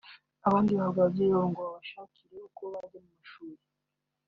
abandi bahabwa ababyeyi babo ngo babashakirwe uko bajya mu ishuri